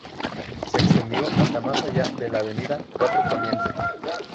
Se extendió hasta más allá de avenida Cuatro Poniente.